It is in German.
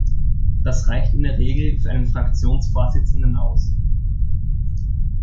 Das reicht in der Regel für einen Fraktionsvorsitzenden aus.